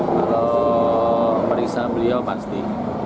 kalau merisa beliau pasti